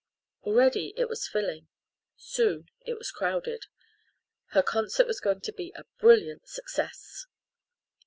Already it was filling soon it was crowded. Her concert was going to be a brilliant success.